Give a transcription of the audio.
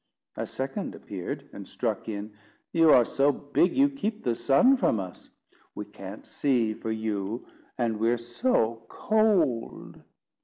A second appeared, and struck in: "You are so big, you keep the sun from us. We can't see for you, and we're so cold."